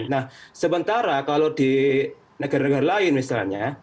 nah sementara kalau di negara negara lain misalnya